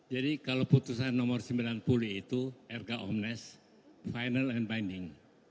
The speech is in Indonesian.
jadi kalau putusan nomor sembilan puluh itu erga omnes final and binding